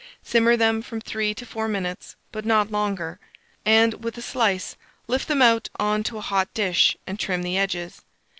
Simmer them from 3 to 4 minutes, but not longer, and, with a slice, lift them out on to a hot dish, and trim the edges.